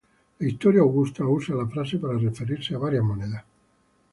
La "Historia Augusta" usa la frase para referirse a varias monedas.